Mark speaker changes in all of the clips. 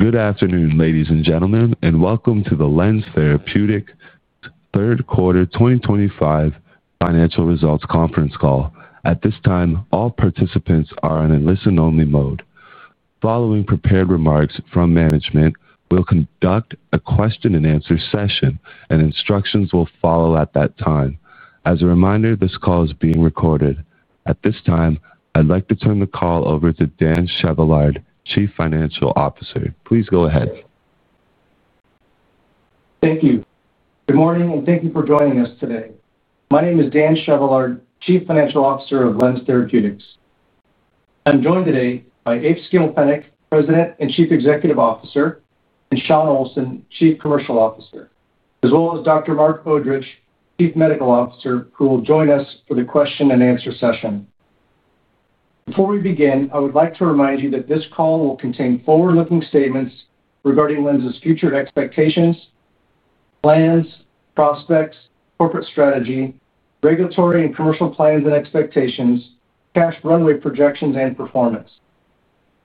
Speaker 1: Good afternoon, ladies and gentlemen, and welcome to the LENZ Therapeutics third quarter 2025 financial results conference call. At this time, all participants are on a listen-only mode. Following prepared remarks from management, we'll conduct a question-and-answer session, and instructions will follow at that time. As a reminder, this call is being recorded. At this time, I'd like to turn the call over to Dan Chevallard, Chief Financial Officer. Please go ahead.
Speaker 2: Thank you. Good morning, and thank you for joining us today. My name is Dan Chevallard, Chief Financial Officer of LENZ Therapeutics. I'm joined today by Eef Schimmelpennink, President and Chief Executive Officer, and Shawn Olsson, Chief Commercial Officer, as well as Dr. Marc Odrich, Chief Medical Officer, who will join us for the question-and-answer session. Before we begin, I would like to remind you that this call will contain forward-looking statements regarding LENZ's future expectations, plans, prospects, corporate strategy, regulatory and commercial plans and expectations, cash runway projections, and performance.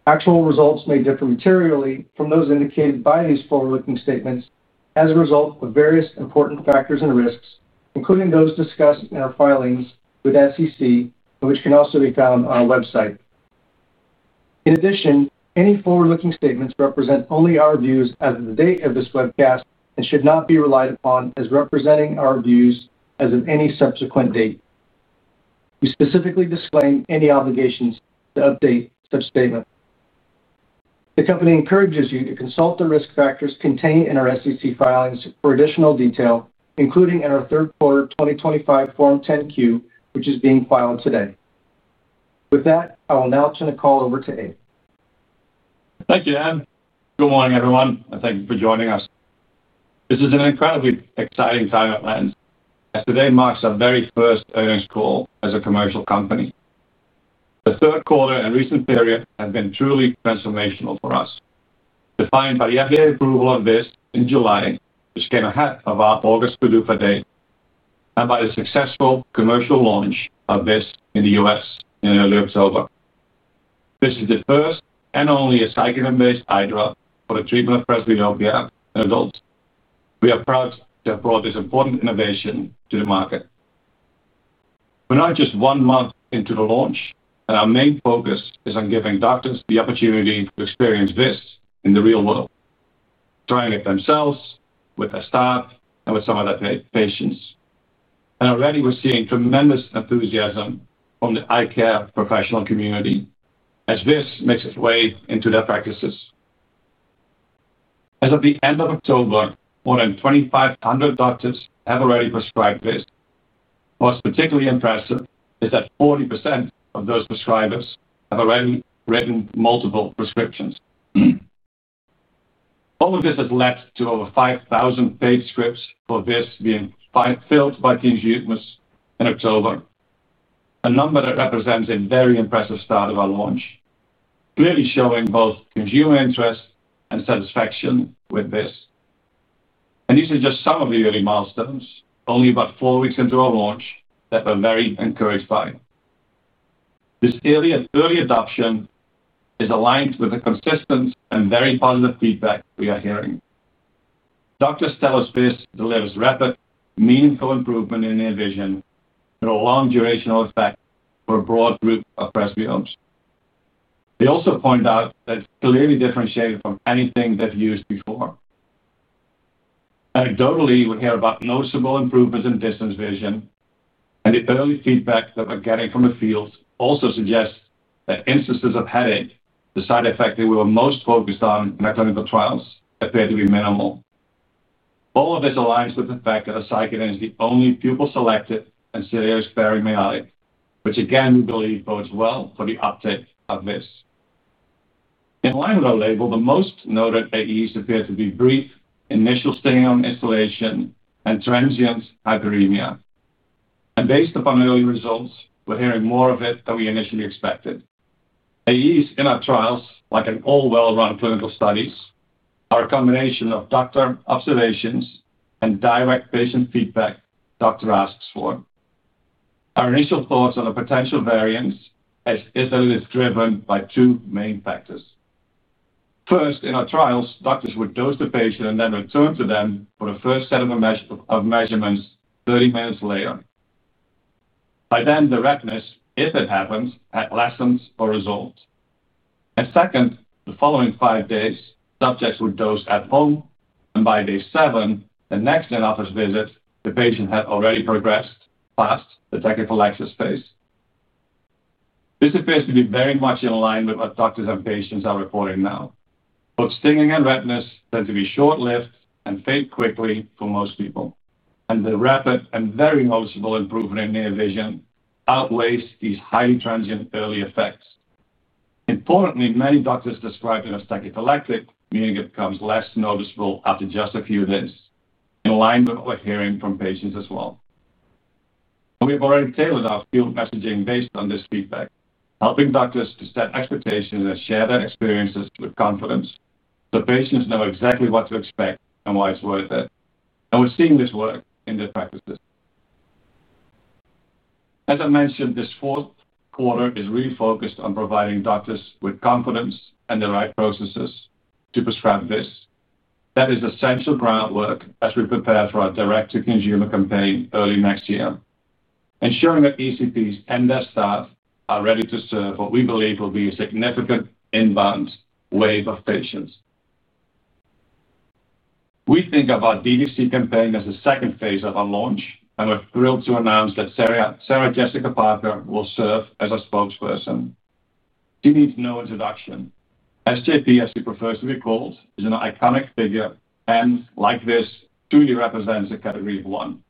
Speaker 2: Actual results may differ materially from those indicated by these forward-looking statements as a result of various important factors and risks, including those discussed in our filings with the SEC, which can also be found on our website. In addition, any forward-looking statements represent only our views as of the date of this webcast and should not be relied upon as representing our views as of any subsequent date. We specifically disclaim any obligations to update such statements. The company encourages you to consult the risk factors contained in our SEC filings for additional detail, including in our third quarter 2025 Form 10-Q, which is being filed today. With that, I will now turn the call over to Eef.
Speaker 3: Thank you, Dan. Good morning, everyone, and thank you for joining us. This is an incredibly exciting time at LENZ, as today marks our very first earnings call as a commercial company. The third quarter and recent period have been truly transformational for us. Defined by the FDA approval of VIZZ in July, which came ahead of our August KOL Optha day, and by the successful commercial launch of VIZZ in the U.S. in early October. This is the first and only pilocarpine-based eye drop for the treatment of presbyopia in adults. We are proud to have brought this important innovation to the market. We're now just one month into the launch, and our main focus is on giving doctors the opportunity to experience VIZZ in the real world. Trying it themselves with their staff and with some of their patients. Already we're seeing tremendous enthusiasm from the eye care professional community as this makes its way into their practices. As of the end of October, more than 2,500 doctors have already prescribed this. What's particularly impressive is that 40% of those prescribers have already written multiple prescriptions. All of this has led to over 5,000 paid scripts for this being filled by consumers in October, a number that represents a very impressive start of our launch, clearly showing both consumer interest and satisfaction with this. These are just some of the early milestones, only about four weeks into our launch, that we're very encouraged by. This early adoption is aligned with the consistent and very positive feedback we are hearing. Doctors tell us this delivers rapid, meaningful improvement in their vision and a long-durational effect for a broad group of presbyopes. They also point out that it's clearly differentiated from anything they've used before. Anecdotally, we hear about noticeable improvements in distance vision, and the early feedback that we're getting from the field also suggests that instances of headache, the side effect that we were most focused on in our clinical trials, appear to be minimal. All of this aligns with the fact that a miotic is the only pupil-selective and stereospecific miotic, which again we believe bodes well for the uptake of this. In line with our label, the most noted AEs appear to be brief, initial sting on instillation, and transient hyperemia. Based upon early results, we're hearing more of it than we initially expected. AEs in our trials, like in all well-run clinical studies, are a combination of doctor observations and direct patient feedback doctor asks for. Our initial thoughts on the potential variance as is that it is driven by two main factors. First, in our trials, doctors would dose the patient and then return to them for the first set of measurements 30 minutes later. By then, the redness, if it happens, had lessened or resolved. Second, the following five days, subjects would dose at home, and by day seven, the next in-office visit, the patient had already progressed past the technical access phase. This appears to be very much in line with what doctors and patients are reporting now. Both stinging and redness tend to be short-lived and fade quickly for most people, and the rapid and very noticeable improvement in near vision outweighs these highly transient early effects. Importantly, many doctors describe it as psychopalactic, meaning it becomes less noticeable after just a few days, in line with what we're hearing from patients as well. We have already tailored our field messaging based on this feedback, helping doctors to set expectations and share their experiences with confidence so patients know exactly what to expect and why it's worth it. We're seeing this work in their practices. As I mentioned, this fourth quarter is really focused on providing doctors with confidence and the right processes to prescribe this. That is essential groundwork as we prepare for our direct-to-consumer campaign early next year, ensuring that ECPs and their staff are ready to serve what we believe will be a significant inbound wave of patients. We think of our DTC campaign as the second phase of our launch, and we are thrilled to announce that Sarah Jessica Parker will serve as our spokesperson. She needs no introduction. SJP, as she prefers to be called, is an iconic figure and, like this, truly represents a category of one.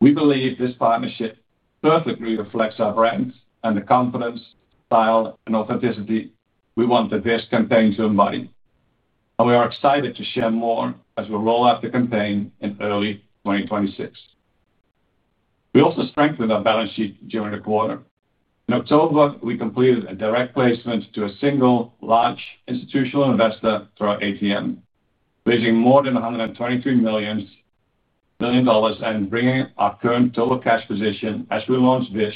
Speaker 3: We believe this partnership perfectly reflects our brand and the confidence, style, and authenticity we want this campaign to embody. We are excited to share more as we roll out the campaign in early 2026. We also strengthened our balance sheet during the quarter. In October, we completed a direct placement to a single large institutional investor through our ATM, raising more than $123 million and bringing our current total cash position as we launch VIZZ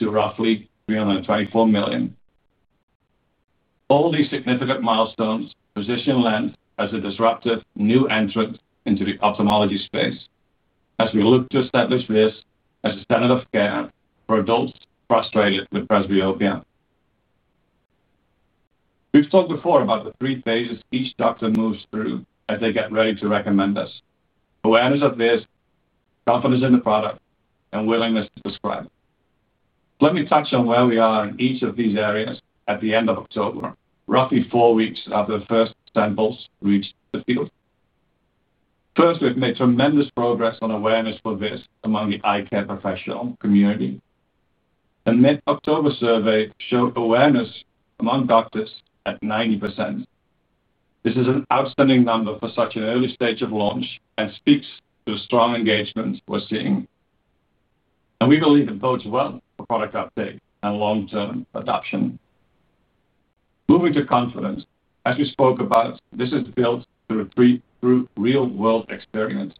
Speaker 3: to roughly $324 million. All these significant milestones position LENZ as a disruptive new entrant into the ophthalmology space as we look to establish this as a standard of care for adults frustrated with presbyopia. We've talked before about the three phases each doctor moves through as they get ready to recommend us: awareness of this, confidence in the product, and willingness to prescribe. Let me touch on where we are in each of these areas at the end of October, roughly four weeks after the first samples reached the field. First, we've made tremendous progress on awareness for this among the eye care professional community. The mid-October survey showed awareness among doctors at 90%. This is an outstanding number for such an early stage of launch and speaks to the strong engagement we're seeing. We believe it bodes well for product uptake and long-term adoption. Moving to confidence, as we spoke about, this is built through real-world experience.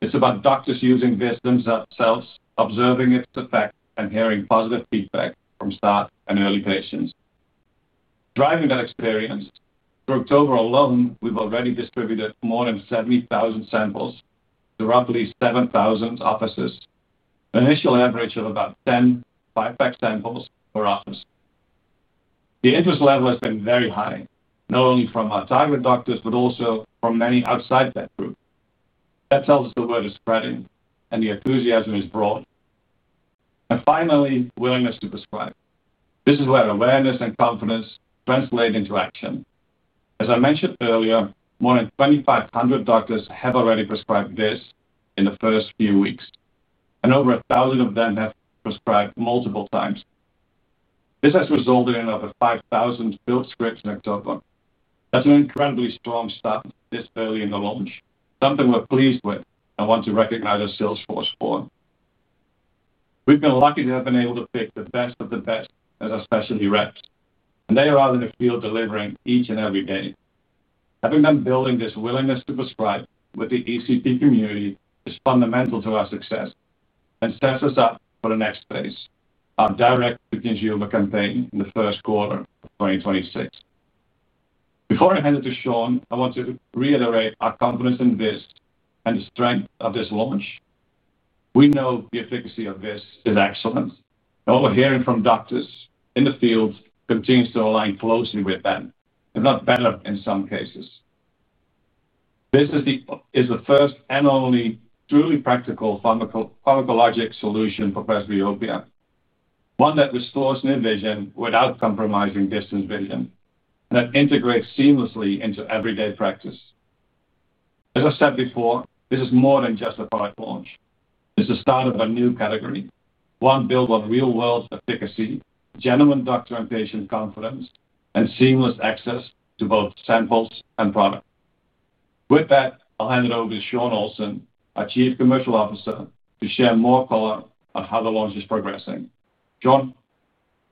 Speaker 3: It's about doctors using this themselves, observing its effect, and hearing positive feedback from staff and early patients. Driving that experience, through October alone, we've already distributed more than 70,000 samples to roughly 7,000 offices, an initial average of about 10 5-pack samples per office. The interest level has been very high, not only from our target doctors but also from many outside that group. That tells us the word is spreading and the enthusiasm is broad. Finally, willingness to prescribe. This is where awareness and confidence translate into action. As I mentioned earlier, more than 2,500 doctors have already prescribed this in the first few weeks, and over 1,000 of them have prescribed multiple times. This has resulted in over 5,000 filled scripts in October. That's an incredibly strong start this early in the launch, something we're pleased with and want to recognize our sales force for. We've been lucky to have been able to pick the best of the best as our specialty reps, and they are out in the field delivering each and every day. Having them building this willingness to prescribe with the ECP community is fundamental to our success and sets us up for the next phase, our direct-to-consumer campaign in the first quarter of 2026. Before I hand it to Shawn, I want to reiterate our confidence in this and the strength of this launch. We know the efficacy of this is excellent, and what we're hearing from doctors in the field continues to align closely with them, if not better in some cases. This is the first and only truly practical pharmacologic solution for presbyopia, one that restores near vision without compromising distance vision, and that integrates seamlessly into everyday practice. As I said before, this is more than just a product launch. It is the start of a new category, one built on real-world efficacy, genuine doctor and patient confidence, and seamless access to both samples and product. With that, I'll hand it over to Shawn Olsson, our Chief Commercial Officer, to share more color on how the launch is progressing. Shawn.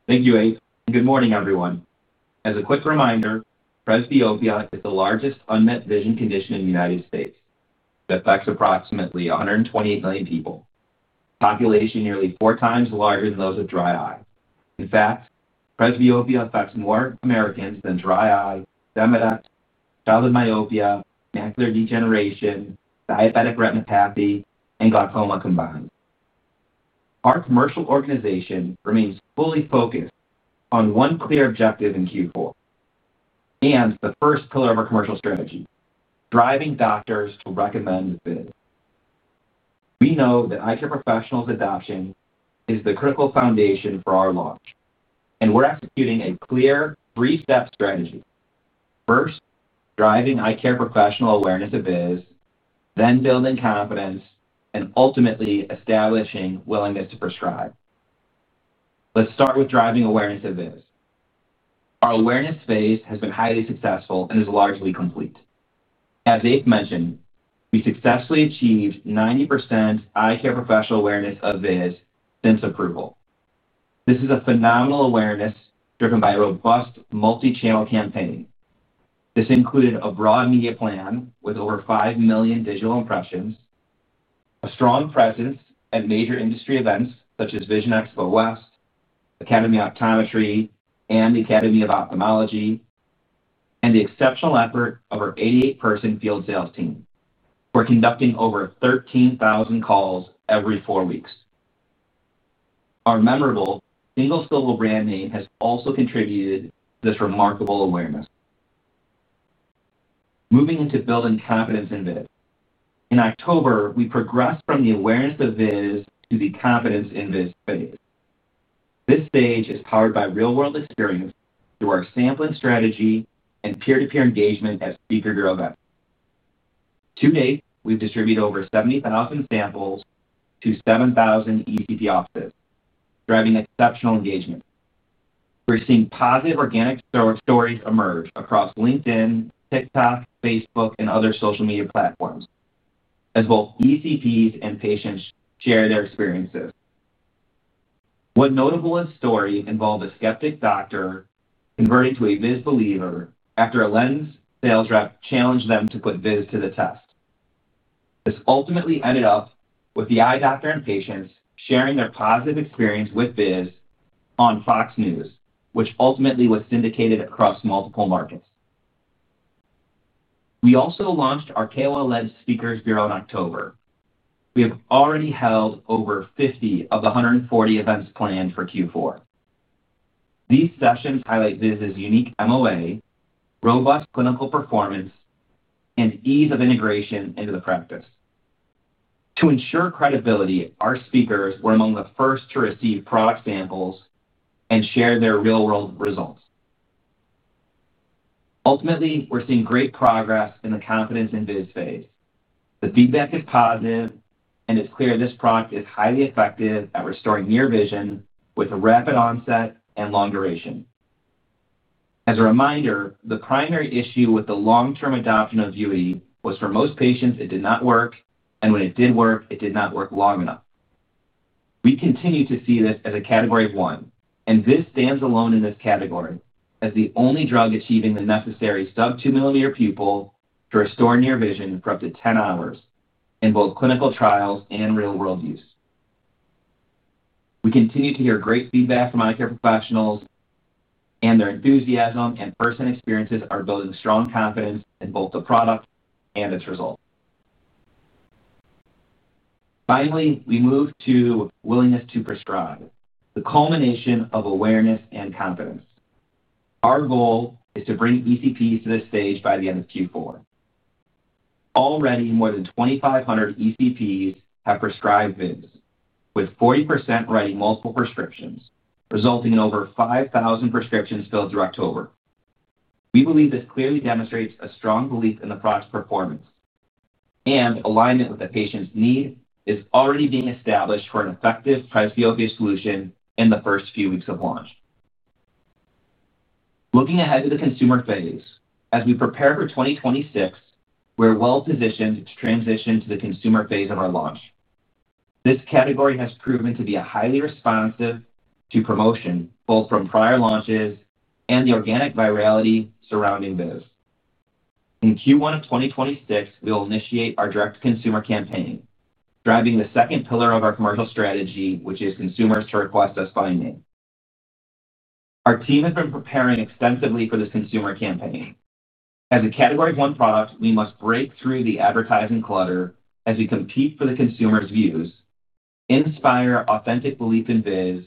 Speaker 4: Thank you, Eef. Good morning, everyone. As a quick reminder, presbyopia is the largest unmet vision condition in the United States. It affects approximately 128 million people. Population nearly four times larger than those of dry eye. In fact, presbyopia affects more Americans than dry eye, demoduct, childhood myopia, macular degeneration, diabetic retinopathy, and glaucoma combined. Our commercial organization remains fully focused on one clear objective in Q4. The first pillar of our commercial strategy: driving doctors to recommend this. We know that eye care professionals' adoption is the critical foundation for our launch, and we're executing a clear three-step strategy. First, driving eye care professional awareness of this, then building confidence, and ultimately establishing willingness to prescribe. Let's start with driving awareness of this. Our awareness phase has been highly successful and is largely complete. As Eef mentioned, we successfully achieved 90% eye care professional awareness of this since approval. This is a phenomenal awareness driven by a robust multi-channel campaign. This included a broad media plan with over 5 million digital impressions, a strong presence at major industry events such as Vision Expo West, Academy of Optometry, and the Academy of Ophthalmology, and the exceptional effort of our 88-person field sales team. We're conducting over 13,000 calls every four weeks. Our memorable single-syllable brand name has also contributed to this remarkable awareness. Moving into building confidence in this. In October, we progressed from the awareness of this to the confidence in this phase. This stage is powered by real-world experience through our sampling strategy and peer-to-peer engagement at SpeakerGrove X. To date, we've distributed over 70,000 samples to 7,000 ECP offices, driving exceptional engagement. We're seeing positive organic stories emerge across LinkedIn, TikTok, Facebook, and other social media platforms as both ECPs and patients share their experiences. One notable story involved a skeptic doctor converting to a VIZZ believer after a LENZ sales rep challenged them to put VIZZ to the test. This ultimately ended up with the eye doctor and patients sharing their positive experience with VIZZ on Fox News, which ultimately was syndicated across multiple markets. We also launched our KOL LENZ Speakers Bureau in October. We have already held over 50 of the 140 events planned for Q4. These sessions highlight VIZZ's unique MOA, robust clinical performance, and ease of integration into the practice. To ensure credibility, our speakers were among the first to receive product samples and share their real-world results. Ultimately, we're seeing great progress in the confidence in this phase. The feedback is positive, and it's clear this product is highly effective at restoring near vision with a rapid onset and long duration. As a reminder, the primary issue with the long-term adoption of Vuity was for most patients it did not work, and when it did work, it did not work long enough. We continue to see this as a category of one, and VIZZ stands alone in this category as the only drug achieving the necessary sub-2 pupil to restore near vision for up to 10 hours in both clinical trials and real-world use. We continue to hear great feedback from eye care professionals, and their enthusiasm and first-hand experiences are building strong confidence in both the product and its results. Finally, we move to willingness to prescribe, the culmination of awareness and confidence. Our goal is to bring ECPs to this stage by the end of Q4. Already, more than 2,500 ECPs have prescribed VIZZ, with 40% writing multiple prescriptions, resulting in over 5,000 prescriptions filled through October. We believe this clearly demonstrates a strong belief in the product's performance, and alignment with the patient's need is already being established for an effective presbyopia solution in the first few weeks of launch. Looking ahead to the consumer phase, as we prepare for 2026, we're well-positioned to transition to the consumer phase of our launch. This category has proven to be highly responsive to promotion, both from prior launches and the organic virality surrounding VIZZ. In Q1 of 2026, we will initiate our direct-to-consumer campaign, driving the second pillar of our commercial strategy, which is consumers to request us by name. Our team has been preparing extensively for this consumer campaign. As a category-one product, we must break through the advertising clutter as we compete for the consumer's views, inspire authentic belief in VIZZ,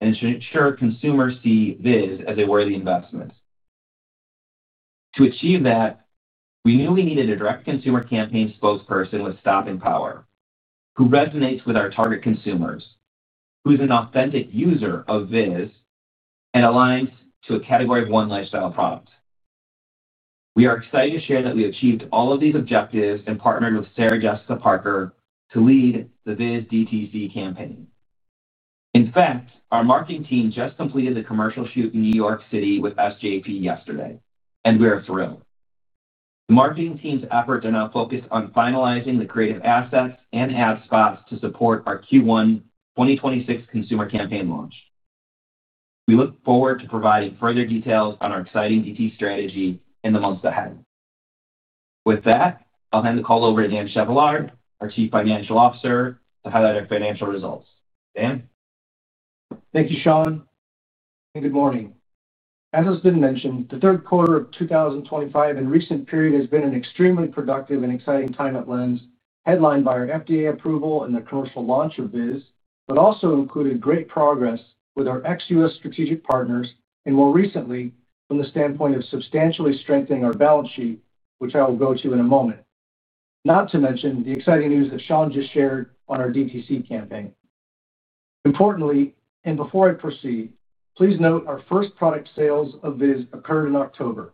Speaker 4: and ensure consumers see VIZZ as a worthy investment. To achieve that, we knew we needed a direct-to-consumer campaign spokesperson with stopping power, who resonates with our target consumers, who is an authentic user of VIZZ, and aligns to a category-one lifestyle product. We are excited to share that we achieved all of these objectives and partnered with Sarah Jessica Parker to lead the VIZZ DTC campaign. In fact, our marketing team just completed the commercial shoot in New York City with SJP yesterday, and we are thrilled. The marketing team's efforts are now focused on finalizing the creative assets and ad spots to support our Q1 2026 consumer campaign launch. We look forward to providing further details on our exciting DTC strategy in the months ahead. With that, I'll hand the call over to Dan Chevallard, our Chief Financial Officer, to highlight our financial results. Dan.
Speaker 2: Thank you, Shawn. And good morning. As has been mentioned, the third quarter of 2025 and recent period has been an extremely productive and exciting time at LENZ, headlined by our FDA approval and the commercial launch of VIZZ, but also included great progress with our ex-U.S. strategic partners and, more recently, from the standpoint of substantially strengthening our balance sheet, which I will go to in a moment. Not to mention the exciting news that Shawn just shared on our DTC campaign. Importantly, and before I proceed, please note our first product sales of VIZZ occurred in October.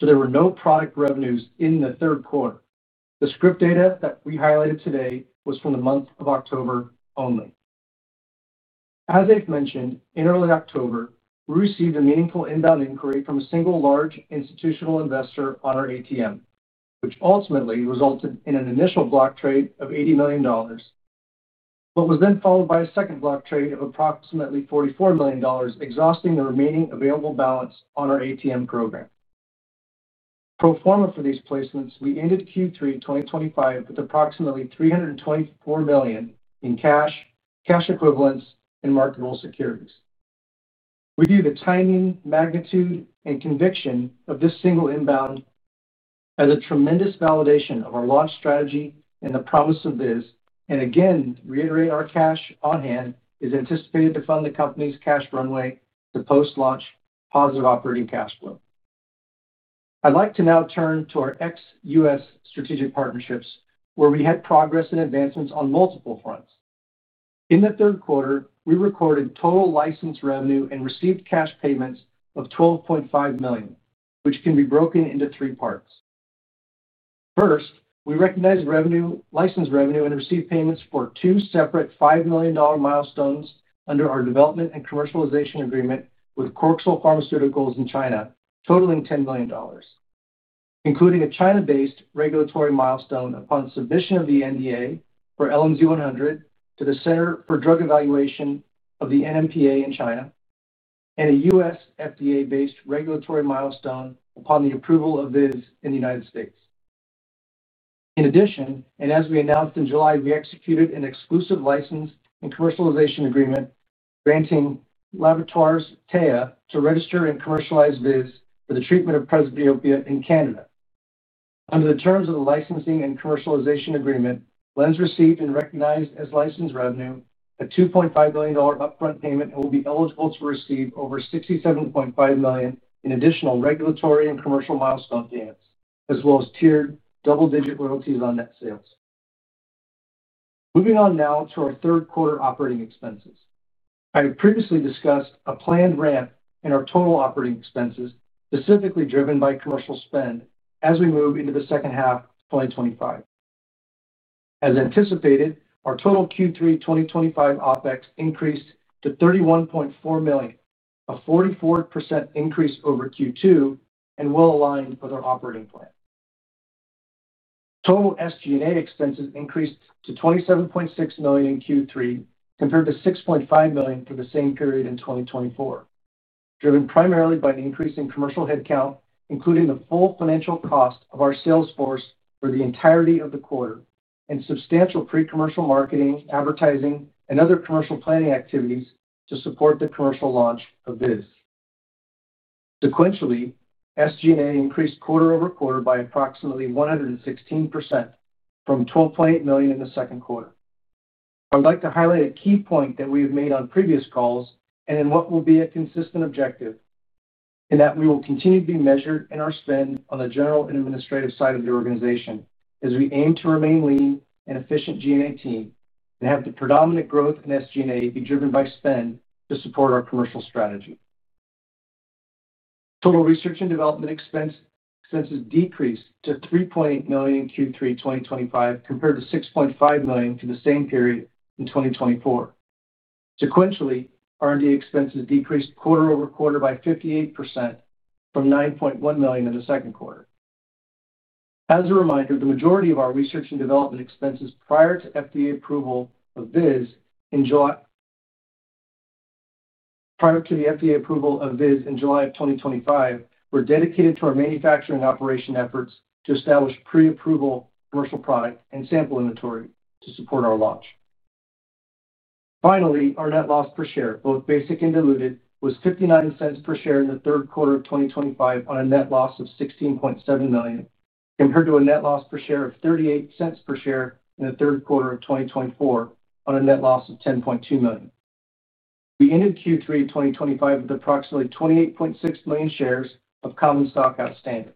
Speaker 2: So there were no product revenues in the third quarter. The script data that we highlighted today was from the month of October only. As Eef mentioned, in early October, we received a meaningful inbound inquiry from a single large institutional investor on our ATM, which ultimately resulted in an initial block trade of $80 million. It was then followed by a second block trade of approximately $44 million, exhausting the remaining available balance on our ATM program. Pro forma for these placements, we ended Q3 2025 with approximately $324 million in cash, cash equivalents, and marketable securities. We view the timing, magnitude, and conviction of this single inbound as a tremendous validation of our launch strategy and the promise of VIZZ, and again, reiterate, our cash on hand is anticipated to fund the company's cash runway to post-launch positive operating cash flow. I'd like to now turn to our ex-U.S. strategic partnerships, where we had progress and advancements on multiple fronts. In the third quarter, we recorded total license revenue and received cash payments of $12.5 million, which can be broken into three parts. First, we recognized license revenue and received payments for two separate $5 million milestones under our development and commercialization agreement with CORXEL Pharmaceuticals in China, totaling $10 million, including a China-based regulatory milestone upon submission of the NDA for LNZ100 to the Center for Drug Evaluation of the NMPA in China, and a U.S. FDA-based regulatory milestone upon the approval of VIZZ in the United States. In addition, and as we announced in July, we executed an exclusive license and commercialization agreement, granting Laboratoires Théa to register and commercialize VIZZ for the treatment of presbyopia in Canada. Under the terms of the licensing and commercialization agreement, LENZ received and recognized as license revenue a $2.5 million upfront payment and will be eligible to receive over $67.5 million in additional regulatory and commercial milestone payments, as well as tiered double-digit royalties on net sales. Moving on now to our third quarter operating expenses. I previously discussed a planned ramp in our total operating expenses, specifically driven by commercial spend as we move into the second half of 2025. As anticipated, our total Q3 2025 OpEx increased to $31.4 million, a 44% increase over Q2, and well-aligned with our operating plan. Total SG&A expenses increased to $27.6 million in Q3, compared to $6.5 million for the same period in 2024, driven primarily by an increase in commercial headcount, including the full financial cost of our sales force for the entirety of the quarter, and substantial pre-commercial marketing, advertising, and other commercial planning activities to support the commercial launch of VIZZ. Sequentially, SG&A increased quarter over quarter by approximately 116% from $12.8 million in the second quarter. I would like to highlight a key point that we have made on previous calls and in what will be a consistent objective, in that we will continue to be measured in our spend on the general and administrative side of the organization, as we aim to remain a lean and efficient G&A team and have the predominant growth in SG&A be driven by spend to support our commercial strategy. Total research and development expenses decreased to $3.8 million in Q3 2025, compared to $6.5 million for the same period in 2024. Sequentially, R&D expenses decreased quarter over quarter by 58% from $9.1 million in the second quarter. As a reminder, the majority of our research and development expenses prior to FDA approval of VIZZ in July. Prior to the FDA approval of VIZZ in July of 2025, were dedicated to our manufacturing operation efforts to establish pre-approval commercial product and sample inventory to support our launch. Finally, our net loss per share, both basic and diluted, was $0.59 per share in the third quarter of 2025 on a net loss of $16.7 million, compared to a net loss per share of $0.38 per share in the third quarter of 2024 on a net loss of $10.2 million. We ended Q3 2025 with approximately 28.6 million shares of common stock outstanding.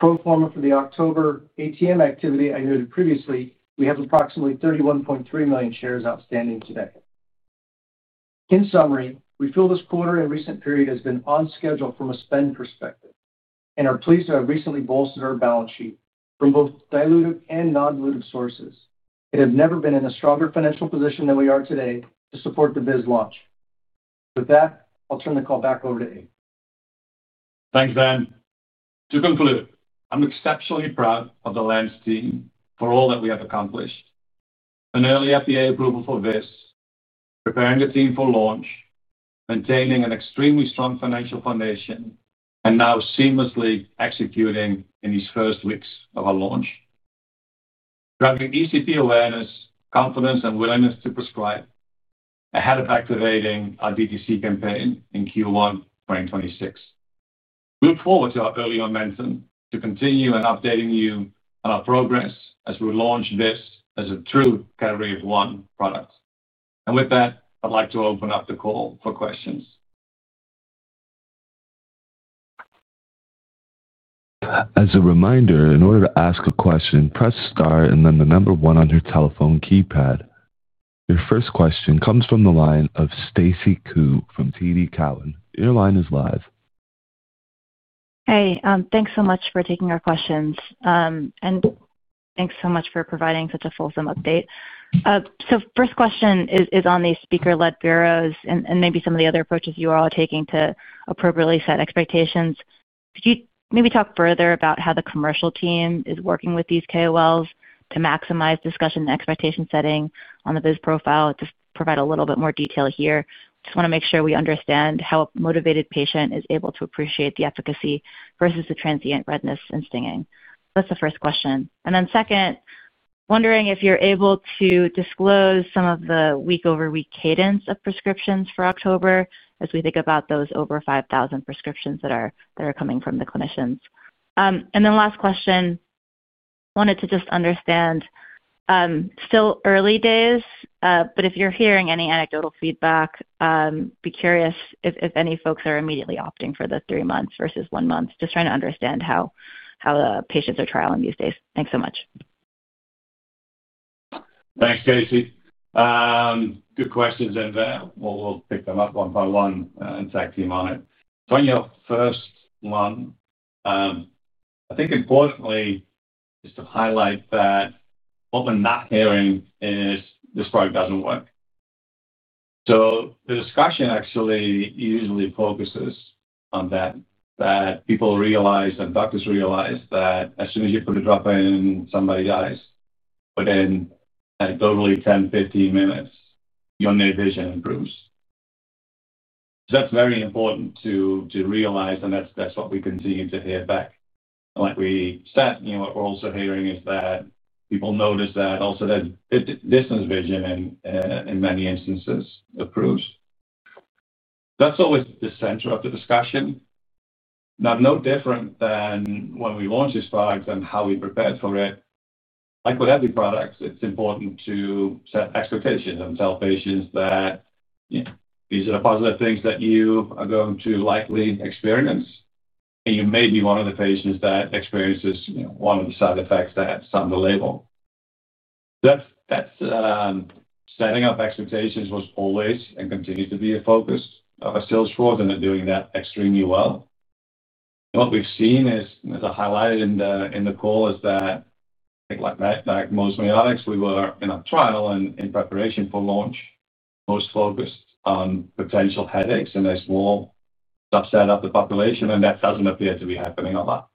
Speaker 2: Pro forma for the October ATM activity I noted previously, we have approximately 31.3 million shares outstanding today. In summary, we feel this quarter and recent period has been on schedule from a spend perspective and are pleased to have recently bolstered our balance sheet from both diluted and non-dilutive sources. It has never been in a stronger financial position than we are today to support the VIZZ launch. With that, I'll turn the call back over to Eef.
Speaker 3: Thanks, Dan. To conclude, I'm exceptionally proud of the LENZ team for all that we have accomplished. An early FDA approval for VIZZ, preparing the team for launch, maintaining an extremely strong financial foundation, and now seamlessly executing in these first weeks of our launch. Driving ECP awareness, confidence, and willingness to prescribe, ahead of activating our DTC campaign in Q1 2026. We look forward to our early momentum to continue and updating you on our progress as we launch VIZZ as a true category-one product. With that, I'd like to open up the call for questions.
Speaker 1: As a reminder, in order to ask a question, press star and then the number one on your telephone keypad. Your first question comes from the line of Stacy Ku from TD Cowen. Your line is live.
Speaker 5: Hey, thanks so much for taking our questions. Thanks so much for providing such a fulsome update. First question is on these speaker-led bureaus and maybe some of the other approaches you are all taking to appropriately set expectations. Could you maybe talk further about how the commercial team is working with these KOLs to maximize discussion and expectation setting on the VIZZ profile? Just provide a little bit more detail here. Just want to make sure we understand how a motivated patient is able to appreciate the efficacy versus the transient redness and stinging. That's the first question. Second, wondering if you're able to disclose some of the week-over-week cadence of prescriptions for October as we think about those over 5,000 prescriptions that are coming from the clinicians. Last question. Wanted to just understand. Still early days, but if you're hearing any anecdotal feedback, be curious if any folks are immediately opting for the three months versus one month. Just trying to understand how the patients are trialing these days. Thanks so much.
Speaker 3: Thanks, Stacy. Good questions, and we'll pick them up one by one and tag team on it. On your first one, I think importantly just to highlight that what we're not hearing is this product doesn't work. The discussion actually usually focuses on that, that people realize and doctors realize that as soon as you put a drop in, somebody does. Then anecdotally, 10-15 minutes, your near vision improves. That's very important to realize, and that's what we continue to hear back. Like we said, what we're also hearing is that people notice that also that distance vision in many instances improves. That's always the center of the discussion. No different than when we launched this product and how we prepared for it. Like with every product, it's important to set expectations and tell patients that. These are the positive things that you are going to likely experience, and you may be one of the patients that experiences one of the side effects that's on the label. Setting up expectations was always and continues to be a focus of our sales force, and they're doing that extremely well. What we've seen, as I highlighted in the call, is that, like most miotics, we were in a trial and in preparation for launch, most focused on potential headaches and a small subset of the population, and that doesn't appear to be happening a lot.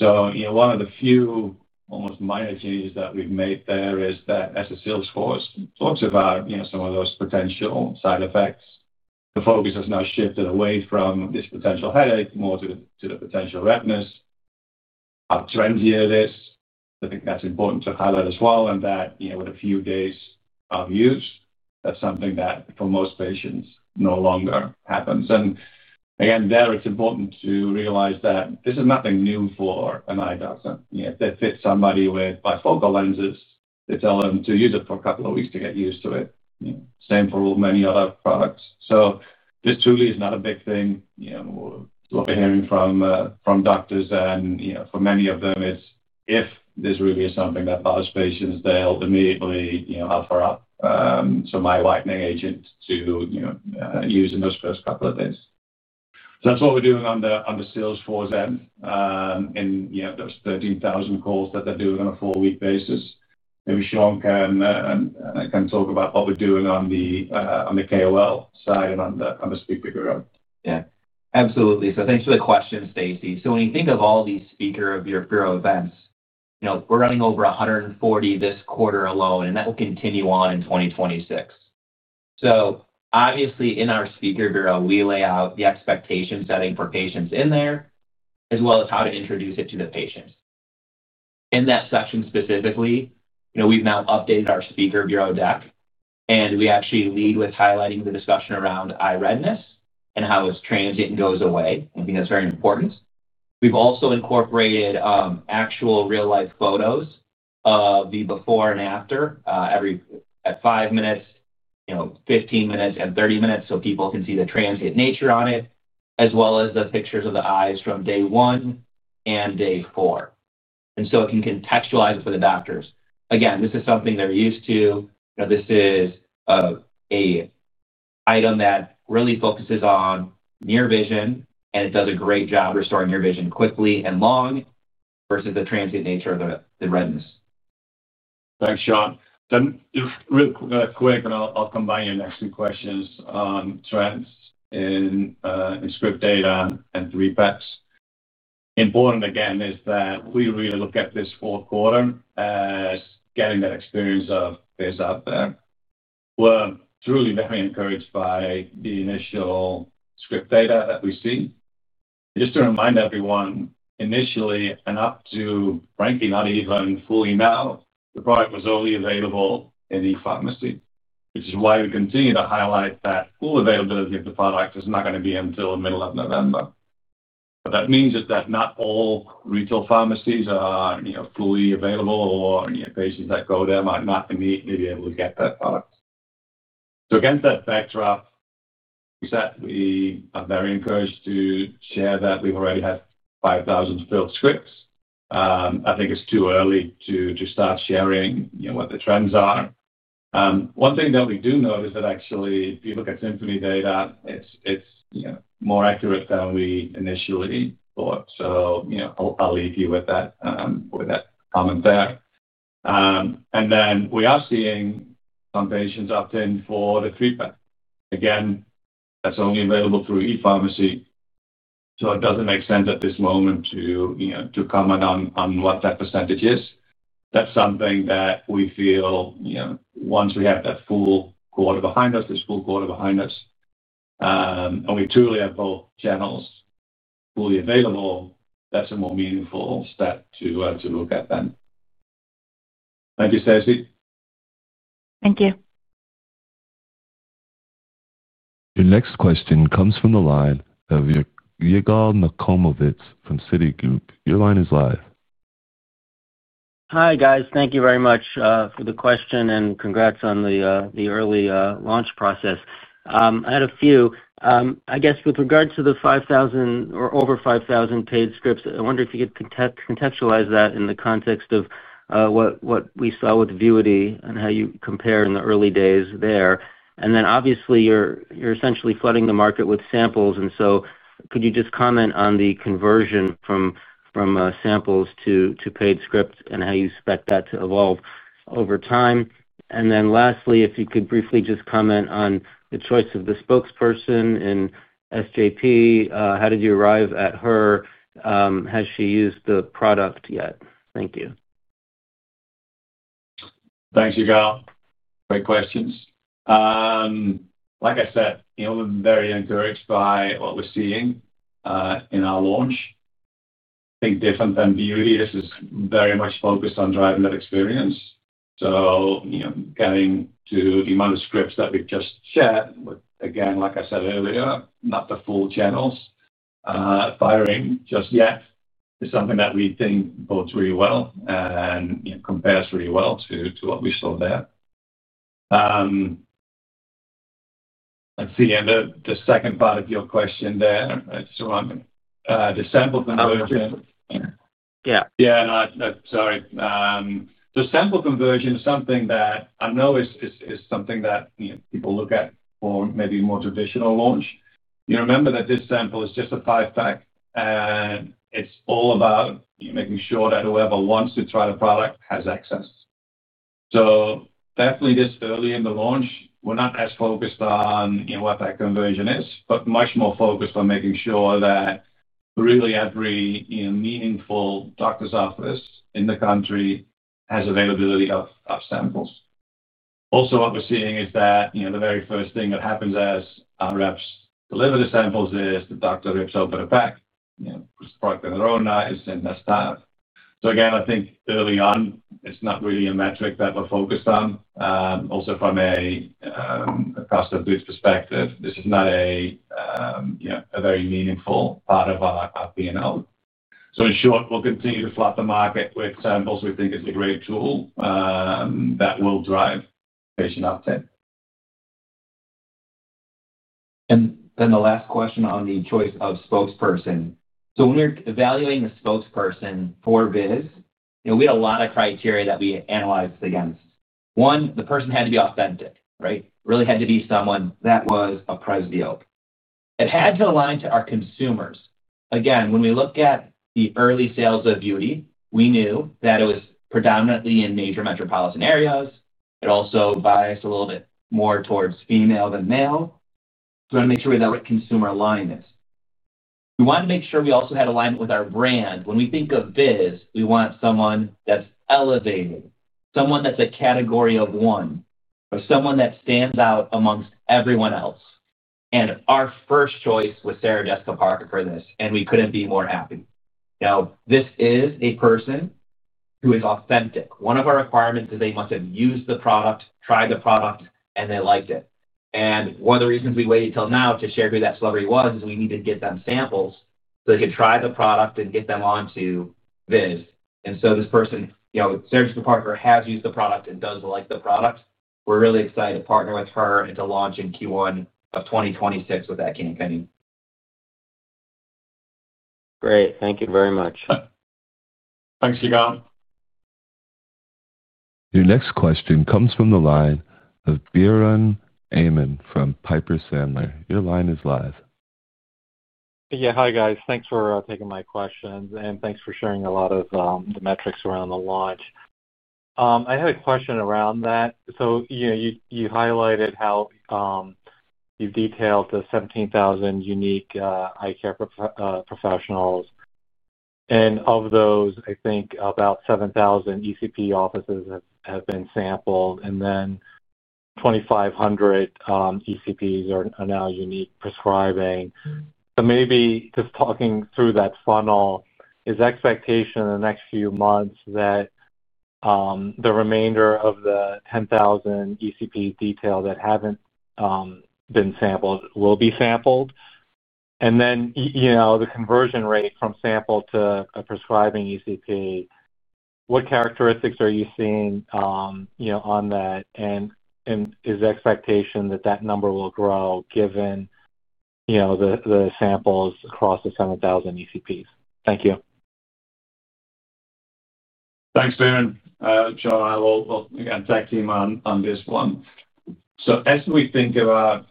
Speaker 3: One of the few almost minor changes that we've made there is that as the sales force talks about some of those potential side effects, the focus has now shifted away from this potential headache more to the potential redness. How transient it is, I think that's important to highlight as well, and that with a few days of use, that's something that for most patients no longer happens. Again, there, it's important to realize that this is nothing new for an eye doctor. If they fit somebody with bifocal lenses, they tell them to use it for a couple of weeks to get used to it. Same for many other products. This truly is not a big thing. What we're hearing from doctors, and for many of them, it's if this really is something that bothers patients, they'll immediately offer up some eye-whitening agent to use in those first couple of days. That's what we're doing on the sales force. In those 13,000 calls that they're doing on a four-week basis. Maybe Shawn can. Talk about what we're doing on the KOL side and on the speaker bureau.
Speaker 4: Yeah, absolutely. Thanks for the question, Stacy. When you think of all these speaker bureau events, we're running over 140 this quarter alone, and that will continue on in 2026. Obviously, in our speaker bureau, we lay out the expectation setting for patients in there, as well as how to introduce it to the patients. In that section specifically, we've now updated our speaker bureau deck, and we actually lead with highlighting the discussion around eye redness and how it's transient and goes away. I think that's very important. We've also incorporated actual real-life photos of the before and after, every at 5 minutes, 15 minutes, and 30 minutes, so people can see the transient nature on it, as well as the pictures of the eyes from day one and day four. It can contextualize it for the doctors. Again, this is something they're used to. This is an item that really focuses on near vision, and it does a great job restoring near vision quickly and long versus the transient nature of the redness.
Speaker 3: Thanks, Shawn. Really quick, and I'll combine your next few questions. Trends in script data and 3PEX. Important, again, is that we really look at this fourth quarter as getting that experience of VIZZ out there. We're truly very encouraged by the initial script data that we see. Just to remind everyone, initially, and up to, frankly, not even fully now, the product was only available in e-pharmacy, which is why we continue to highlight that full availability of the product is not going to be until the middle of November. That means that not all retail pharmacies are fully available, or patients that go there might not immediately be able to get that product. Against that backdrop, we are very encouraged to share that we've already had 5,000 filled scripts. I think it's too early to start sharing what the trends are. One thing that we do note is that actually, if you look at Symfony data, it's more accurate than we initially thought. I'll leEef you with that comment there. We are seeing some patients opt in for the 3PEX. Again, that's only available through e-pharmacy. It doesn't make sense at this moment to comment on what that percentage is. That's something that we feel once we have this full quarter behind us, and we truly have both channels fully available, that's a more meaningful step to look at then. Thank you, Stacy.
Speaker 5: Thank you.
Speaker 1: Your next question comes from the line of Yigal Nochomovitz from Citigroup. Your line is live.
Speaker 6: Hi, guys. Thank you very much for the question, and congrats on the early launch process. I had a few. I guess with regard to the 5,000 or over 5,000 paid scripts, I wonder if you could contextualize that in the context of what we saw with Vuity and how you compare in the early days there. Obviously, you're essentially flooding the market with samples. Could you just comment on the conversion from samples to paid scripts and how you expect that to evolve over time? Lastly, if you could briefly just comment on the choice of the spokesperson in SJP. How did you arrive at her? Has she used the product yet? Thank you.
Speaker 3: Thanks, Yigal. Great questions. Like I said, I'm very encouraged by what we're seeing in our launch. I think different than Vuity, this is very much focused on driving that experience. Getting to the amount of scripts that we've just shared, again, like I said earlier, not the full channels firing just yet is something that we think bodes really well and compares really well to what we saw there. Let's see. And the second part of your question there, it's around the sample conversion.
Speaker 6: Yeah.
Speaker 3: Yeah, sorry. The sample conversion is something that I know is something that people look at for maybe more traditional launch. You remember that this sample is just a 5PEX, and it's all about making sure that whoever wants to try the product has access. Definitely just early in the launch, we're not as focused on what that conversion is, but much more focused on making sure that really every meaningful doctor's office in the country has availability of samples. Also, what we're seeing is that the very first thing that happens as reps deliver the samples is the doctor rips open a pack, puts the product in their own eyes, and that's done. Again, I think early on, it's not really a metric that we're focused on. Also from a cost of goods perspective, this is not a very meaningful part of our P&L. In short, we'll continue to flood the market with samples. We think it's a great tool. That will drive patient uptake.
Speaker 4: The last question on the choice of spokesperson. When we were evaluating a spokesperson for VIZZ, we had a lot of criteria that we analyzed against. One, the person had to be authentic, right? It really had to be someone that was a presbyope. It had to align to our consumers. Again, when we look at the early sales of Vuity, we knew that it was predominantly in major metropolitan areas. It also biased a little bit more towards female than male. We want to make sure we have that right consumer alignment. We wanted to make sure we also had alignment with our brand. When we think of VIZZ, we want someone that's elevated, someone that's a category of one, or someone that stands out amongst everyone else. Our first choice was Sarah Jessica Parker for this, and we couldn't be more happy. Now, this is a person who is authentic. One of our requirements is they must have used the product, tried the product, and they liked it. One of the reasons we waited until now to share who that celebrity was is we need to get them samples so they can try the product and get them onto VIZZ. This person, Sarah Jessica Parker, has used the product and does like the product. We're really excited to partner with her and to launch in Q1 of 2026 with that campaign.
Speaker 6: Great. Thank you very much.
Speaker 3: Thanks, Yigal.
Speaker 1: Your next question comes from the line of Biren Amin from Piper Sandler. Your line is live.
Speaker 7: Yeah, hi, guys. Thanks for taking my questions, and thanks for sharing a lot of the metrics around the launch. I had a question around that. You highlighted how you detailed the 17,000 unique eye care professionals. Of those, I think about 7,000 ECP offices have been sampled, and then 2,500 ECPs are now unique prescribing. Maybe just talking through that funnel, is the expectation in the next few months that the remainder of the 10,000 ECPs detailed that have not been sampled will be sampled? The conversion rate from sample to a prescribing ECP, what characteristics are you seeing on that? Is the expectation that that number will grow given the samples across the 7,000 ECPs? Thank you.
Speaker 4: Thanks, Biren. Shawn and I will, again, tag team on this one. As we think about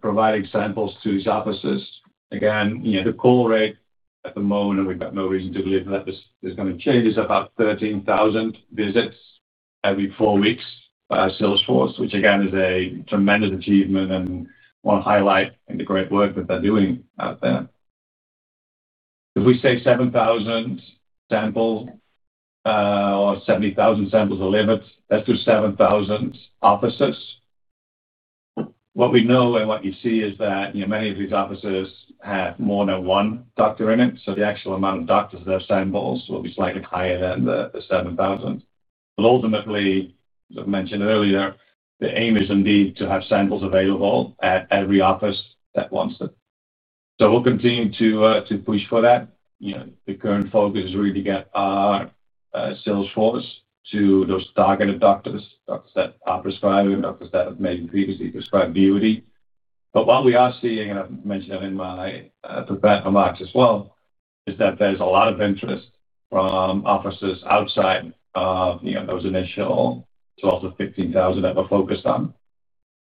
Speaker 4: providing samples to these offices, again, the call rate at the moment, and we've got no reason to believe that this is going to change, is about 13,000 visits every four weeks by our sales force, which again is a tremendous achievement and one highlight in the great work that they're doing out there. If we say 7,000 samples or 70,000 samples delivered, let's do 7,000 offices. What we know and what you see is that many of these offices have more than one doctor in it, so the actual amount of doctors that have samples will be slightly higher than the 7,000. Ultimately, as I mentioned earlier, the aim is indeed to have samples available at every office that wants them. We'll continue to push for that. The current focus is really to get our sales force to those targeted doctors, doctors that are prescribing, doctors that have maybe previously prescribed Vuity. What we are seeing, and I have mentioned that in my prepared remarks as well, is that there is a lot of interest from offices outside of those initial 12,000-15,000 that we are focused on.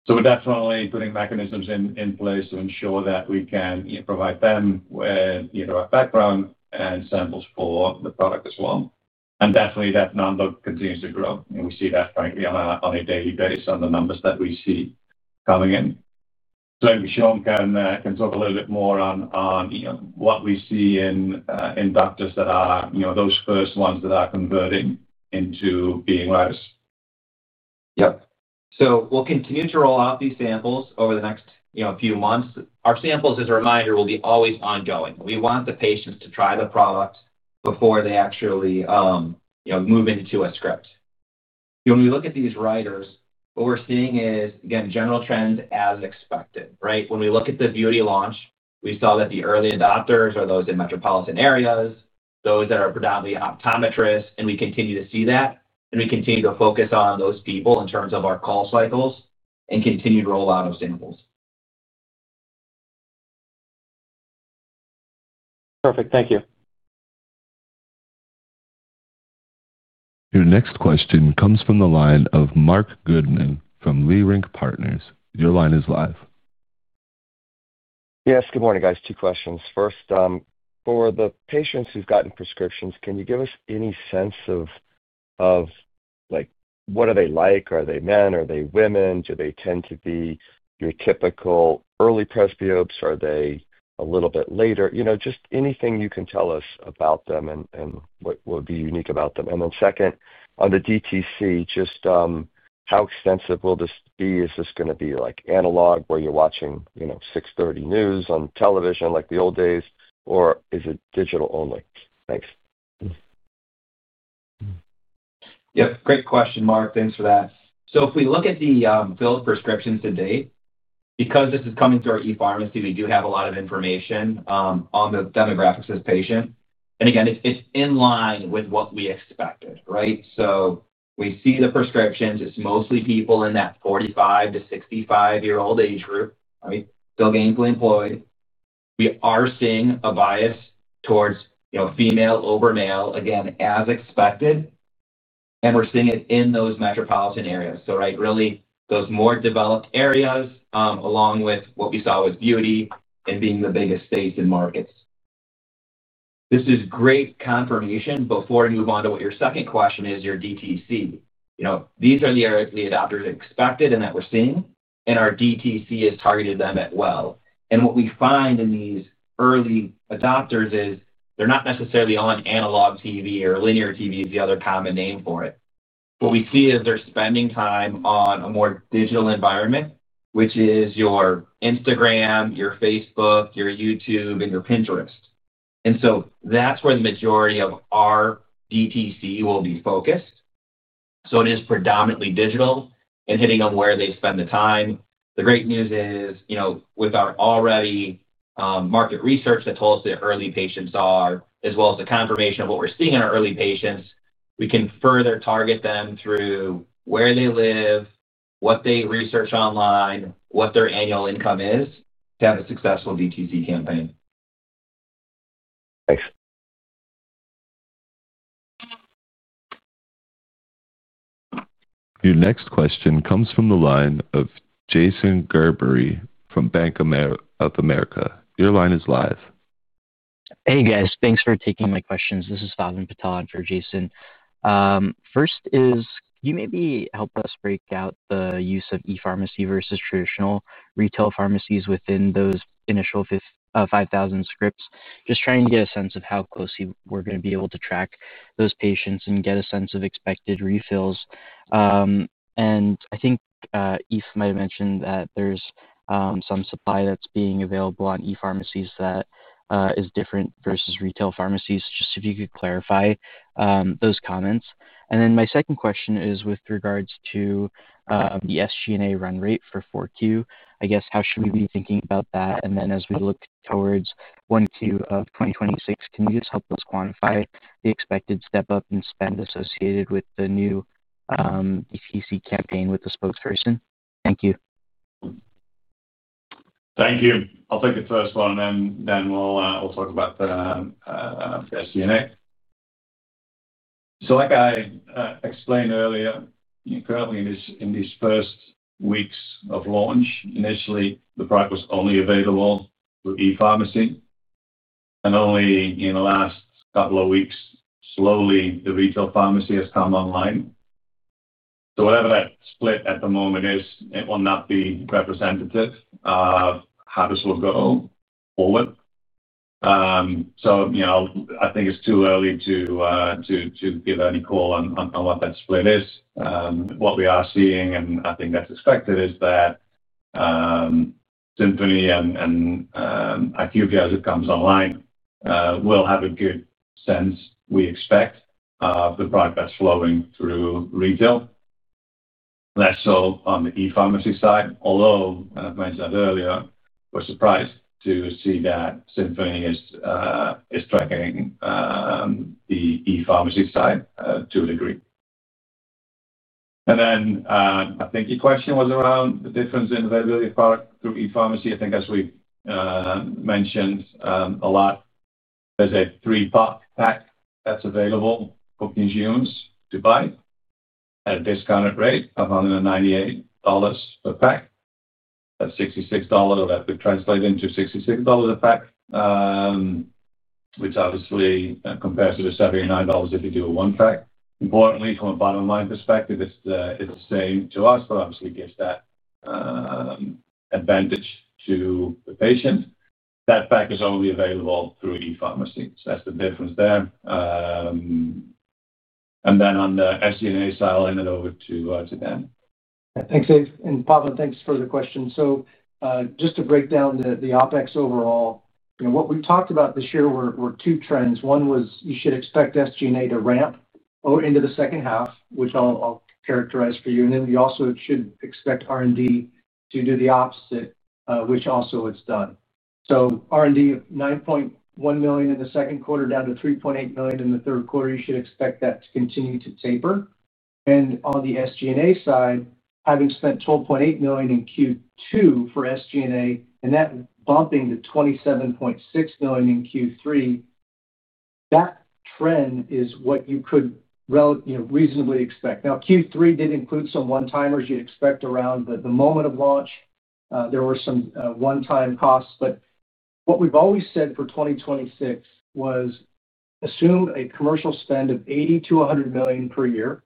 Speaker 4: We are definitely putting mechanisms in place to ensure that we can provide them with our background and samples for the product as well. That number continues to grow. We see that, frankly, on a daily basis on the numbers that we see coming in. Maybe Shawn can talk a little bit more on what we see in doctors that are those first ones that are converting into being writers.
Speaker 3: Yep. We'll continue to roll out these samples over the next few months. Our samples, as a reminder, will be always ongoing. We want the patients to try the product before they actually move into a script. When we look at these writers, what we're seeing is, again, general trends as expected, right? When we look at the Vuity launch, we saw that the early adopters are those in metropolitan areas, those that are predominantly optometrists, and we continue to see that. We continue to focus on those people in terms of our call cycles and continued rollout of samples.
Speaker 7: Perfect. Thank you.
Speaker 1: Your next question comes from the line of Marc Goodman from Leerink Partners. Your line is live.
Speaker 8: Yes. Good morning, guys. Two questions. First. For the patients who've gotten prescriptions, can you give us any sense of what are they like? Are they men? Are they women? Do they tend to be your typical early presbyopes? Are they a little bit later? Just anything you can tell us about them and what would be unique about them. Second, on the DTC, just how extensive will this be? Is this going to be analog where you're watching 6:30 news on television like the old days, or is it digital only? Thanks.
Speaker 3: Yep. Great question, Marc. Thanks for that. If we look at the filled prescriptions to date, because this is coming through our e-pharmacy, we do have a lot of information on the demographics of patients. Again, it's in line with what we expected, right? We see the prescriptions. It's mostly people in that 45-65-year-old age group, still gainfully employed. We are seeing a bias towards female over male, again, as expected. We are seeing it in those metropolitan areas. Really, those more developed areas, along with what we saw with Vuity and being the biggest space in markets. This is great confirmation before we move on to what your second question is, your DTC. These are the areas the adopters expected and that we're seeing, and our DTC has targeted them as well. What we find in these early adopters is they're not necessarily on analog TV or linear TV is the other common name for it. What we see is they're spending time on a more digital environment, which is your Instagram, your Facebook, your YouTube, and your Pinterest. That is where the majority of our DTC will be focused. It is predominantly digital and hitting on where they spend the time. The great news is, with our already market research that told us the early patients are, as well as the confirmation of what we're seeing in our early patients, we can further target them through where they live, what they research online, what their annual income is, to have a successful DTC campaign.
Speaker 8: Thanks.
Speaker 1: Your next question comes from the line of Jason Gerberry from Bank of America. Your line is live.
Speaker 9: Hey, guys. Thanks for taking my questions. This is Bhavin Patel for Jason. First is, can you maybe help us break out the use of e-pharmacy versus traditional retail pharmacies within those initial 5,000 scripts? Just trying to get a sense of how closely we're going to be able to track those patients and get a sense of expected refills. I think Eef might have mentioned that there's some supply that's being available on e-pharmacies that is different versus retail pharmacies. Just if you could clarify those comments. My second question is with regards to the SG&A run rate for Q4. I guess, how should we be thinking about that? As we look towards Q1 of 2026, can you just help us quantify the expected step-up in spend associated with the new DTC campaign with the spokesperson? Thank you.
Speaker 3: Thank you. I'll take the first one, and then we'll talk about the SG&A. Like I explained earlier, currently in these first weeks of launch, initially, the product was only available through e-pharmacy. Only in the last couple of weeks, slowly, the retail pharmacy has come online. Whatever that split at the moment is, it will not be representative of how this will go forward. I think it's too early to give any call on what that split is. What we are seeing, and I think that's expected, is that Symphony and a few guys that come online will have a good sense, we expect, of the product that's flowing through retail. Less so on the e-pharmacy side. Although, as I mentioned earlier, we're surprised to see that Symphony is tracking the e-pharmacy side to a degree. I think your question was around the difference in availability of product through e-pharmacy. I think, as we've mentioned a lot, there's a three-pack that's available for consumers to buy at a discounted rate of $198 per pack. That's $66. That would translate into $66 a pack, which obviously compares to the $79 if you do a one-pack. Importantly, from a bottom-line perspective, it's the same to us, but obviously gives that advantage to the patient. That pack is only available through e-pharmacy. That's the difference there. On the SG&A, I'll hand it over to Dan.
Speaker 2: Thanks, Eef. And Bhavin, thanks for the question. Just to break down the OpEx overall, what we've talked about this year were two trends. One was you should expect SG&A to ramp into the second half, which I'll characterize for you. You also should expect R&D to do the opposite, which also it's done. R&D of $9.1 million in the second quarter, down to $3.8 million in the third quarter, you should expect that to continue to taper. On the SG&A side, having spent $12.8 million in Q2 for SG&A and that bumping to $27.6 million in Q3. That trend is what you could reasonably expect. Q3 did include some one-timers. You'd expect around the moment of launch, there were some one-time costs. What we've always said for 2026 was. Assume a commercial spend of $80 million-$100 million per year,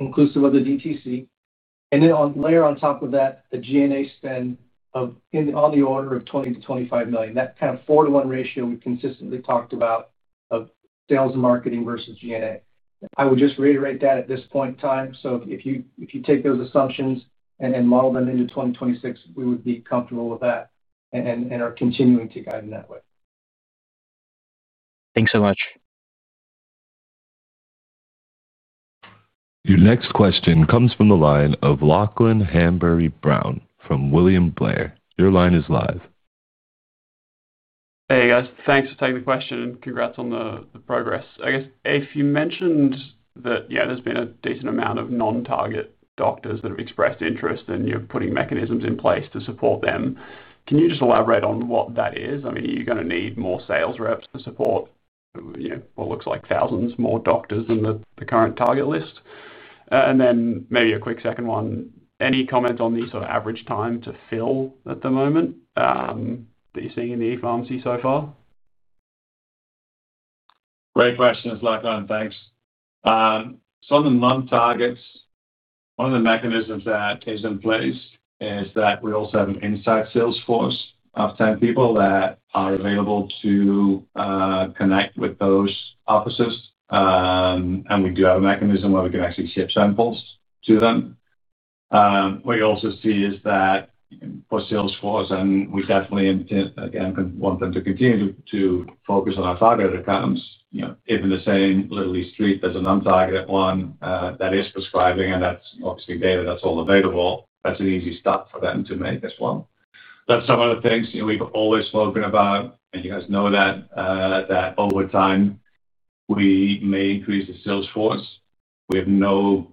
Speaker 2: inclusive of the DTC. And then layer on top of that the G&A spend of on the order of $20 million-$25 million. That kind of four-to-one ratio we've consistently talked about of sales and marketing versus G&A. I would just reiterate that at this point in time. So if you take those assumptions and model them into 2026, we would be comfortable with that and are continuing to guide in that way.
Speaker 9: Thanks so much.
Speaker 1: Your next question comes from the line of Lachlan Hanbury-Brown from William Blair. Your line is live.
Speaker 10: Hey, guys. Thanks for taking the question and congrats on the progress. I guess, Eef, you mentioned that, yeah, there's been a decent amount of non-target doctors that have expressed interest in you putting mechanisms in place to support them. Can you just elaborate on what that is? I mean, are you going to need more sales reps to support what looks like thousands more doctors than the current target list? And then maybe a quick second one, any comments on the sort of average time to fill at the moment that you're seeing in the e-pharmacy so far?
Speaker 3: Great questions, Lachlan. Thanks. On the non-targets, one of the mechanisms that is in place is that we also have an inside sales force of 10 people that are available to connect with those offices. We do have a mechanism where we can actually ship samples to them. What you also see is that for sales force, and we definitely, again, want them to continue to focus on our targeted accounts. If in the same literally street there's a non-targeted one that is prescribing, and that's obviously data that's all available, that's an easy stop for them to make as well. That's some of the things we've always spoken about, and you guys know that over time, we may increase the sales force. We have no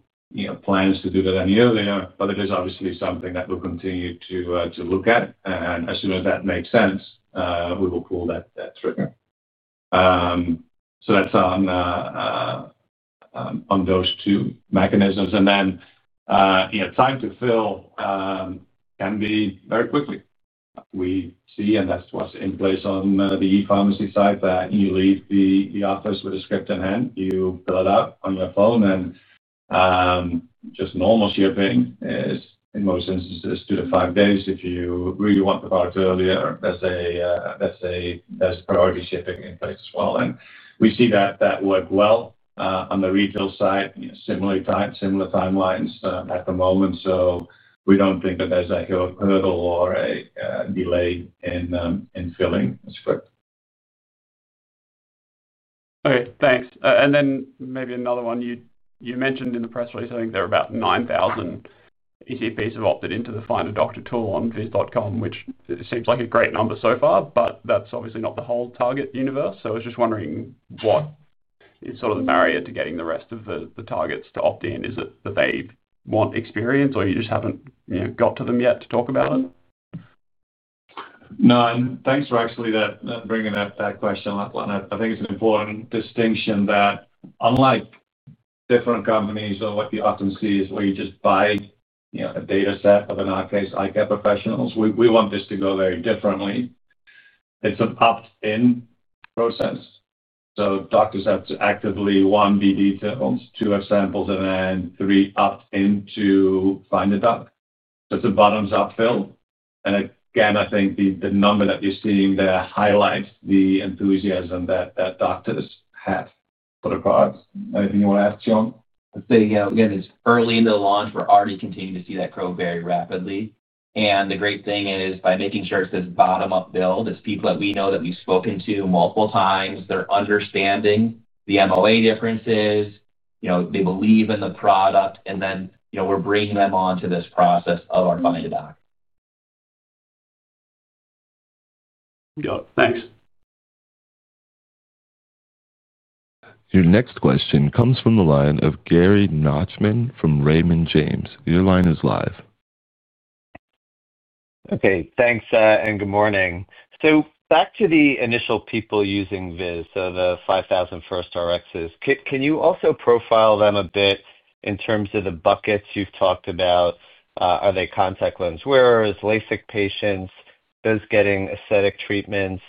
Speaker 3: plans to do that any earlier, but it is obviously something that we'll continue to look at. As soon as that makes sense, we will pull that trigger. That is on those two mechanisms. Time to fill can be very quick. We see, and that is what is in place on the e-pharmacy side, that you leave the office with a script in hand. You fill it out on your phone, and just normal shipping is, in most instances, two to five days. If you really want the product earlier, that is a priority shipping in place as well. We see that that worked well on the retail side, similar timelines at the moment. We do not think that there is a hurdle or a delay in filling the script.
Speaker 10: Okay. Thanks. Maybe another one. You mentioned in the press release, I think there were about 9,000 ECPs have opted into the Find a Doctor tool on vizz.com, which seems like a great number so far, but that's obviously not the whole target universe. I was just wondering what is sort of the barrier to getting the rest of the targets to opt in? Is it that they want experience, or you just haven't got to them yet to talk about it?
Speaker 3: No. Thanks for actually bringing that question up. I think it's an important distinction that, unlike different companies, or what you often see is where you just buy a dataset of, in our case, Eye Care Professionals, we want this to go very differently. It's an opt-in process. Doctors have to actively, one, be detailed, two, have samples in hand, three, opt in to Find a Doc. It's a bottoms-up fill. I think the number that you're seeing there highlights the enthusiasm that doctors have for the product. Anything you want to add, Shawn?
Speaker 4: I'd say, again, as early in the launch, we're already continuing to see that grow very rapidly. The great thing is, by making sure it's this bottom-up build, it's people that we know that we've spoken to multiple times, they're understanding the MOA differences, they believe in the product, and then we're bringing them on to this process of our Find a Doc.
Speaker 10: Yep. Thanks.
Speaker 1: Your next question comes from the line of Gary Nachman from Raymond James. Your line is live.
Speaker 11: Okay. Thanks, and good morning. Back to the initial people using VIZZ, the 5,000 first RXs. Can you also profile them a bit in terms of the buckets you've talked about? Are they contact lens wearers, LASIK patients, those getting aesthetic treatments?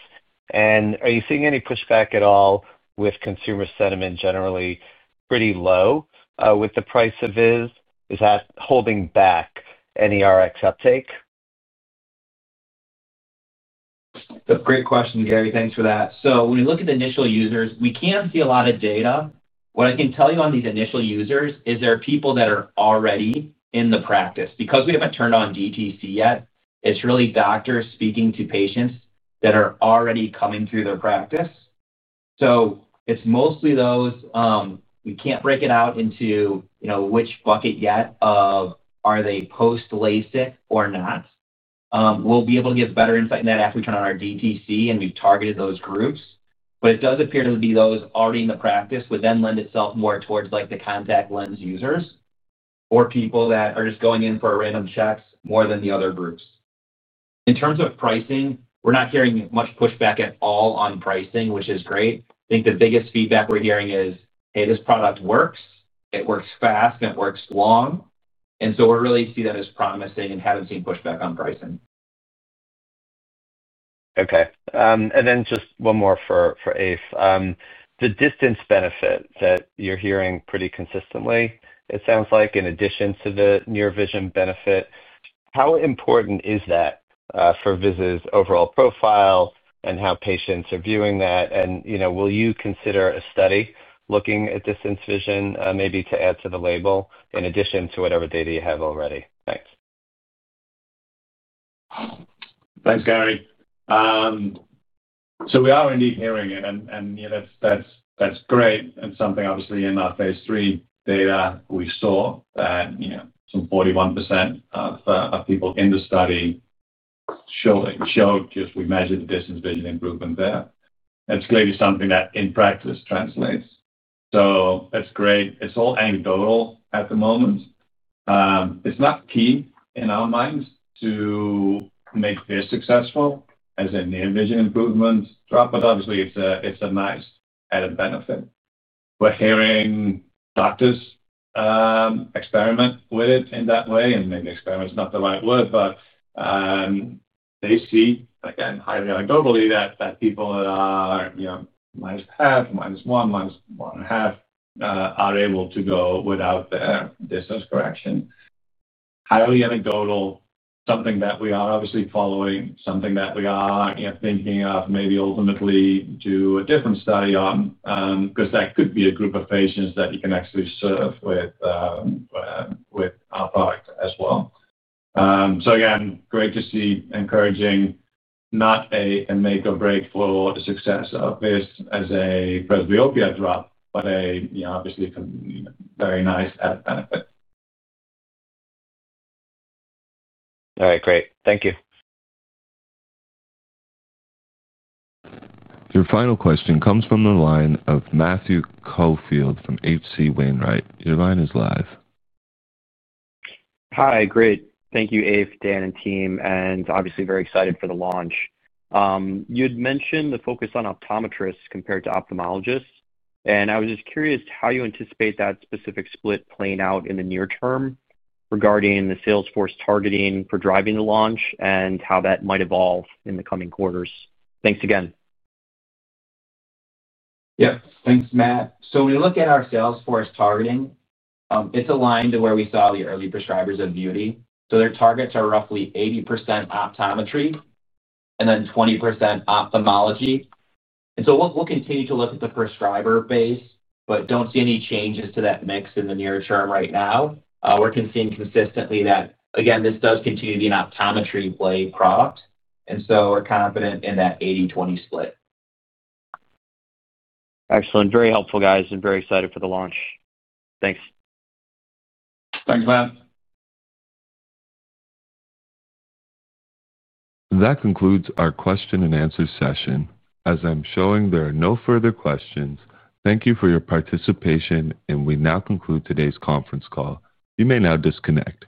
Speaker 11: Are you seeing any pushback at all with consumer sentiment generally pretty low with the price of VIZZ? Is that holding back any RX uptake?
Speaker 4: That's a great question, Gary. Thanks for that. When we look at the initial users, we can't see a lot of data. What I can tell you on these initial users is there are people that are already in the practice. Because we haven't turned on DTC yet, it's really doctors speaking to patients that are already coming through their practice. It's mostly those. We can't break it out into which bucket yet of are they post-LASIK or not. We'll be able to give better insight in that after we turn on our DTC, and we've targeted those groups. It does appear to be those already in the practice would then lend itself more towards the contact lens users or people that are just going in for random checks more than the other groups. In terms of pricing, we're not hearing much pushback at all on pricing, which is great. I think the biggest feedback we're hearing is, "Hey, this product works. It works fast, and it works long." We really see that as promising and haven't seen pushback on pricing.
Speaker 11: Okay. And then just one more for Eef. The distance benefit that you're hearing pretty consistently, it sounds like, in addition to the near vision benefit, how important is that for VIZZ's overall profile and how patients are viewing that? And will you consider a study looking at distance vision maybe to add to the label in addition to whatever data you have already? Thanks.
Speaker 3: Thanks, Gary. We are indeed hearing it, and that's great. In our phase III data, we saw that some 41% of people in the study showed, just, we measured the distance vision improvement there. That's clearly something that, in practice, translates. It's all anecdotal at the moment. It's not key in our minds to make VIZZ successful as a near vision improvement drop, but obviously, it's a nice added benefit. We're hearing doctors experiment with it in that way. Maybe experiment is not the right word, but they see, again, highly anecdotally, that people that are minus a half, minus one, minus one and a half, are able to go without their distance correction. Highly anecdotal, something that we are obviously following, something that we are thinking of maybe ultimately doing a different study on because that could be a group of patients that you can actually serve with our product as well. Again, great to see, encouraging, not a make-or-break for the success of this as a presbyopia drop, but obviously a very nice added benefit.
Speaker 11: All right. Great. Thank you.
Speaker 1: Your final question comes from the line of Matthew Caufield from H.C. Wainwright. Your line is live.
Speaker 12: Hi. Great. Thank you, Eef, Dan, and team. Obviously, very excited for the launch. You had mentioned the focus on optometrists compared to ophthalmologists. I was just curious how you anticipate that specific split playing out in the near term regarding the sales force targeting for driving the launch and how that might evolve in the coming quarters. Thanks again.
Speaker 3: Yep. Thanks, Matt. When we look at our sales force targeting, it's aligned to where we saw the early prescribers of Vuity. Their targets are roughly 80% optometry and 20% ophthalmology. We'll continue to look at the prescriber base, but do not see any changes to that mix in the near term right now. We're seeing consistently that, again, this does continue to be an optometry play product. We're confident in that 80/20 split.
Speaker 12: Excellent. Very helpful, guys, and very excited for the launch. Thanks.
Speaker 3: Thanks, Matt.
Speaker 1: That concludes our question-and-answer session. As I'm showing there are no further questions, thank you for your participation, and we now conclude today's conference call. You may now disconnect.